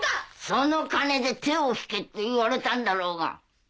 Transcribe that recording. その金で手を引けって言われたんだろうが。